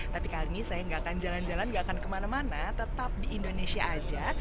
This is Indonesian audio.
tapi kali ini saya nggak akan jalan jalan gak akan kemana mana tetap di indonesia aja